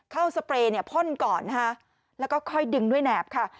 เข้าสเปรย์พ่นก่อนนะคะแล้วก็ค่อยดึงด้วยแนบค่ะ